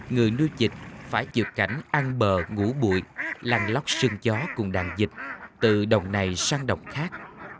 người nuôi dịch phải dược cảnh ăn bờ ngủ bụi lăn lóc sương gió cùng đàn dịch từ đồng này sang đồng khác